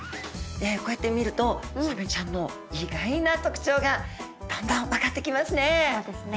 こうやって見るとサメちゃんの意外な特徴がどんどん分かってきますね。